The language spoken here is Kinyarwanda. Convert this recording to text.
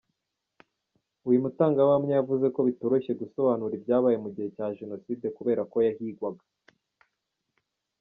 Uyu mutangabuhamya yavuze ko bitoroshye gusobanura ibyabaye mu gihe cya jenoside kubera ko yahigwaga .